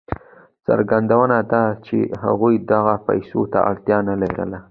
څرګنده ده چې هغه دغو پیسو ته اړتیا نه لرله.